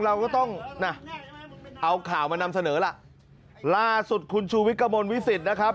เราก็ต้องน่ะเอาข่าวมานำเสนอล่ะล่าสุดคุณชูวิทย์กระมวลวิสิตนะครับ